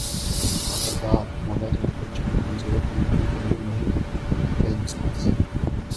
خبردار مولا جٹ بچوں اور کمزور دل والوں کے لیے نہیں فلم ساز